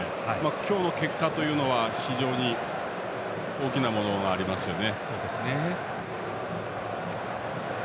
今日の結果は非常に大きなものがありますよね。